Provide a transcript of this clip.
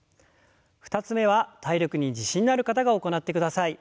２つ目は体力に自信がある方が行ってください。